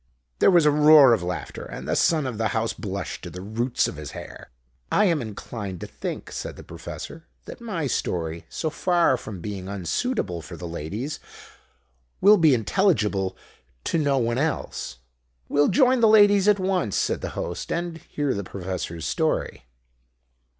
There was a roar of laughter, and the Son of the House blushed to the roots of his hair. "I am inclined to think," said the Professor, "that my story, so far from being unsuitable for the ladies, will be intelligible to no one else." "We'll join the ladies at once," said the Host, "and hear the Professor's story."